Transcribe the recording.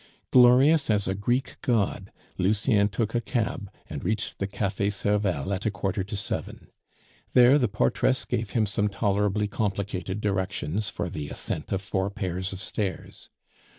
Glorious as a Greek god, Lucien took a cab, and reached the Cafe Servel at a quarter to seven. There the portress gave him some tolerably complicated directions for the ascent of four pairs of stairs.